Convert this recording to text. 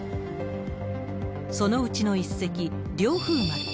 そのうちの１隻、凌風丸。